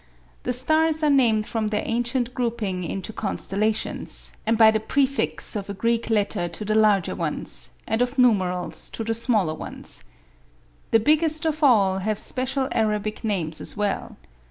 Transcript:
The stars are named from their ancient grouping into constellations, and by the prefix of a Greek letter to the larger ones, and of numerals to the smaller ones. The biggest of all have special Arabic names as well.